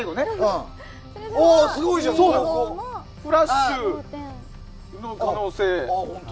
フラッシュの可能性が。